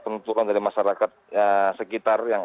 tentukan dari masyarakat sekitar yang